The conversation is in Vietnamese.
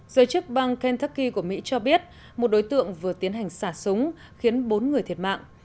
giới chức bang kentuky của mỹ cho biết một đối tượng vừa tiến hành xả súng khiến bốn người thiệt mạng